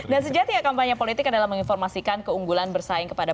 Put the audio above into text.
dan sejati kampanye politik adalah menginformasikan keunggulan bersaing kepada